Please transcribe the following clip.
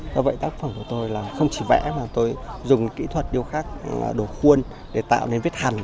do vậy tác phẩm của tôi là không chỉ vẽ mà tôi dùng kỹ thuật điêu khắc đồ khuôn để tạo nên viết hẳn